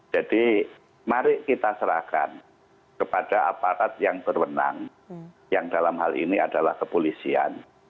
jadi mari kita serahkan kepada aparat yang berwenang yang dalam hal ini adalah kepolisian